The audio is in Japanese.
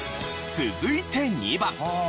続いて２番。